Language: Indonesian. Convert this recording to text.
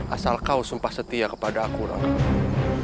asal kau sumpah setia kepada aku orang